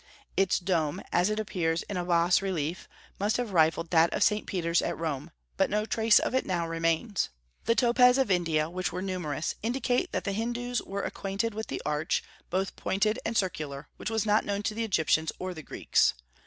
Its dome, as it appears in a bas relief, must have rivalled that of St. Peter's at Rome; but no trace of it now remains. The topes of India, which were numerous, indicate that the Hindus were acquainted with the arch, both pointed and circular, which was not known to the Egyptians or the Greeks.